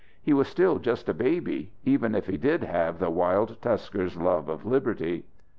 He was still just a baby, even if he did have the wild tuskers' love of liberty.